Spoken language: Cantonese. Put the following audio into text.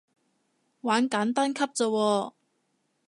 玩簡單級咋喎